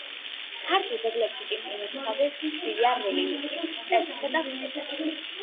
ქართულ ძეგლებში ტიმპანის ქვაზე ხშირია რელიეფი, წარწერები და სხვა.